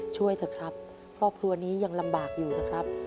ช่วยเถอะครับครอบครัวนี้ยังลำบากอยู่นะครับ